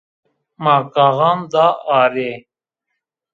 Ma gaxan da arê